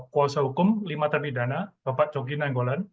kuasa hukum lima terpidana bapak cogin nanggolan